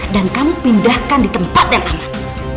dan kamu pindahkan di tempat yang aman